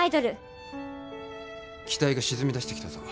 機体が沈みだしてきたぞ。